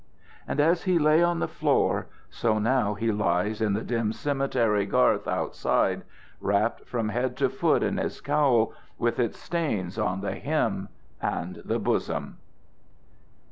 And as he lay on the floor, so now he lies in the dim cemetery garth outside, wrapped from head to foot in his cowl, with its stains on the hem and the bosom.